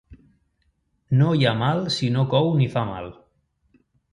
No hi ha mal si no cou ni fa mal.